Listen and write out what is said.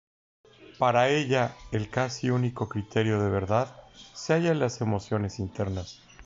Para ella, el casi único criterio de verdad se halla en las emociones internas.